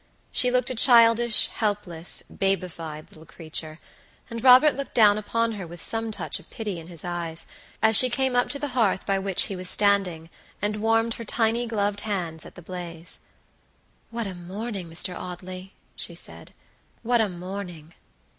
She looked a childish, helpless, babyfied little creature; and Robert looked down upon her with some touch of pity in his eyes, as she came up to the hearth by which he was standing, and warmed her tiny gloved hands at the blaze. "What a morning, Mr. Audley!" she said, "what a morning!"